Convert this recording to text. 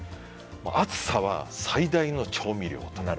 暑さは最大の調味料。